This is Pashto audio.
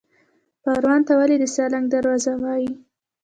پروان ته ولې د سالنګ دروازه وایي؟